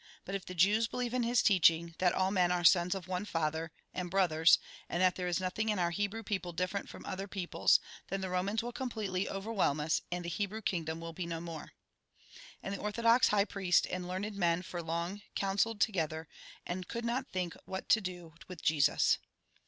But if the Jews believe in his teaching, that all men are sons of one Father, and brothers, and that there is nothing in our Hebrew people different from other peoples, then the Eomans will completely overwhelm us, and the Hebrew kingdom will be no more." And the orthodox high priest and learned men for long counselled together, and could not think what to do with Jesus.